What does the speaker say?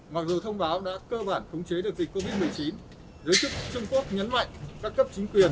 mặc dù thông báo đã cơ bản khống chế được dịch covid một mươi chín giới chức trung quốc nhấn mạnh các cấp chính quyền